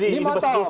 ini mau tonggung